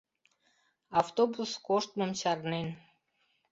Автобус коштмым чарнен.